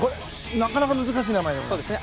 なかなか難しい名前ですね。